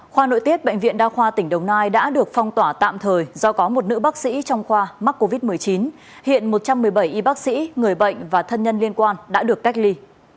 khoa nội tiết bệnh viện đa khoa tỉnh đồng nai đã được phong tỏa tạm thời do có một nữ bác sĩ trong khoa mắc covid một mươi chín hiện một trăm một mươi bảy y bác sĩ người bệnh và thân nhân liên quan đã được cách ly